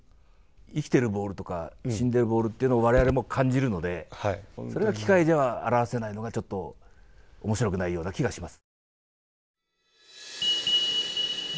生きてるボールとか死んでいるボールをわれわれも感じるので、それが機械では表せないのが、ちょっとおもしろくないような気がします。